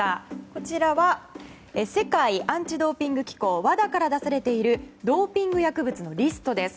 こちらは世界アンチドーピング機構・ＷＡＤＡから出されているドーピング薬物のリストです。